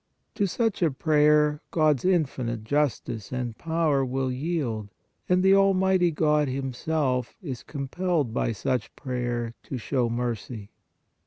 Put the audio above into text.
To such a prayer God s infinite justice and power will yield, and the almighty God Himself is compelled by such prayer to show mercy.